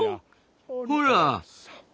ほら！